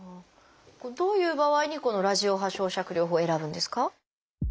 どういう場合にこのラジオ波焼灼療法を選ぶんですか？